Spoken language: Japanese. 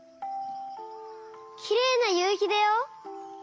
きれいなゆうひだよ！